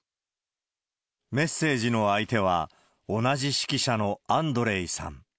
メッセージの相手は、同じ指揮者のアンドレイさん。